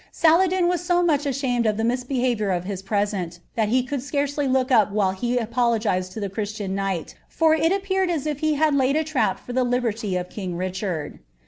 Soladin was ao ranch aslianird M the misbehavinur of his present, that he cnuld st^rcj^ly look up <*Ue hi apologized to the Chrisiian knight; for it appeared as if be liad lai^ i it%p for the liberty of king Richard.